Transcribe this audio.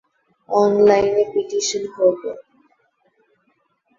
অনলাইনে পিটিশন করব?